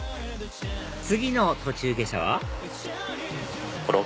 次の途中下車は？